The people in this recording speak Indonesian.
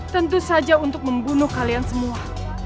tentu saja untuk membunuh kalian semua